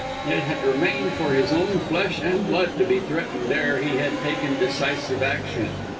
It had remained for his own flesh and blood to be threatened ere he had taken decisive action.